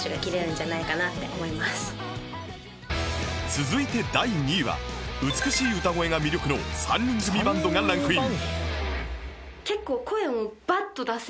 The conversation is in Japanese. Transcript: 続いて第２位は美しい歌声が魅力の３人組バンドがランクイン